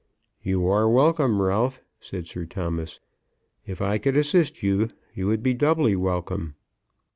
"You are welcome, Ralph," said Sir Thomas. "If I could assist you, you would be doubly welcome."